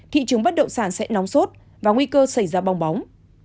thị trường bất động sản sẽ nóng sốt và nguy cơ xảy ra bong bóng